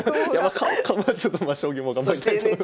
顔まあ将棋も頑張りたいと思います。